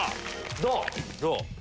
どう？